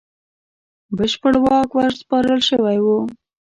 بشپړ واک ورسپارل شوی وو.